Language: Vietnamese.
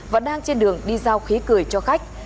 và đang trên đường đi giao khí cười cho khách